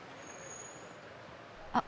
あっ！